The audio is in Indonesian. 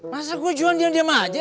masa gue jualan diam diam aja